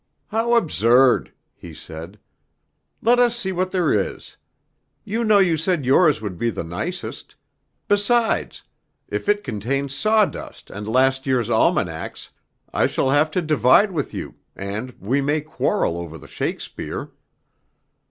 "How absurd!" he said. "Let us see what there is. You know you said yours would be the nicest; besides, if it contains sawdust and last year's almanacs, I shall have to divide with you, and we may quarrel over the Shakespeare."